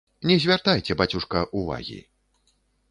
Не звяртайце, бацюшка, увагі.